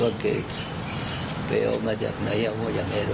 ว่าเกษตรไปออกมาจากไหนเอาอย่างไรเราก็ไม่รู้